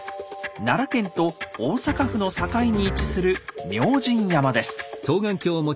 奈良県と大阪府の境に位置する明神山です。